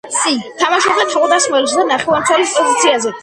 თამაშობდა თავდამსხმელის და ნახევარმცველის პოზიციაზე.